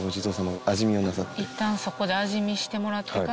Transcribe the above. いったんそこで味見してもらってから。